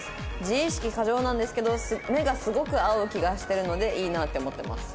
「自意識過剰なんですけど目がすごく合う気がしてるのでいいなって思ってます」